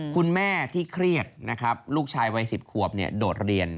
คุณแม่ที่เครียดนะครับลูกชายวัย๑๐ขวบโดดเรียน